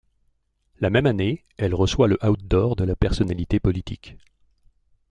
La même année, elle reçoit le Out d’or de la personnalité politique.